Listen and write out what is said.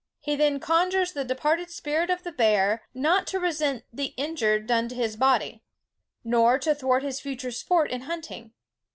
He then conjures the departed spirit of the bear not to resent the injury done his body, nor to thwart his future sport in hunting.